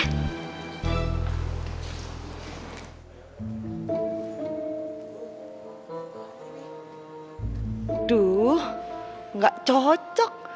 aduh gak cocok